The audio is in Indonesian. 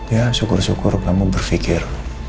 ya syukur syukur kamu berpikir